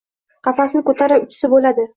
Qafasni ko‘tarib uchsa bo‘ladi…